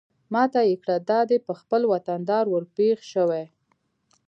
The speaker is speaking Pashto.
ما ته يې کړه دا دى په خپل وطندار ورپېښ شوې.